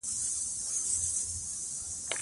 دا سیمه د چک د سیند دواړو خواوو ته پراته دي